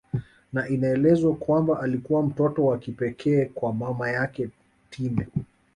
Na inaelezwa kwamba alikuwa mtoto wa kipekee kwa mama yake Time